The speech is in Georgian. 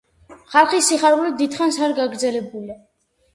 ხალხის სიხარული დიდხანს არ გაგრძელებულა.